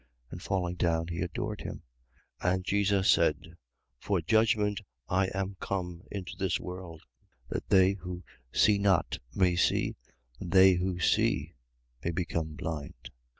And falling down, he adored him. 9:39. And Jesus said: For judgment I am come into this world: that they who see not may see; and they who see may become blind.